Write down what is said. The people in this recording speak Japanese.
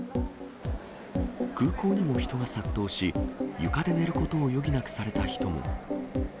空港にも人が殺到し、床で寝ることを余儀なくされた人も。